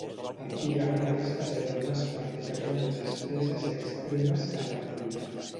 Antigament aquestes eren unes pràctiques molt més esteses i extremes que en l'actualitat.